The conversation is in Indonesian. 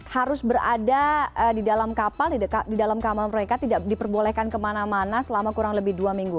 harus berada di dalam kapal di dalam kamar mereka tidak diperbolehkan kemana mana selama kurang lebih dua minggu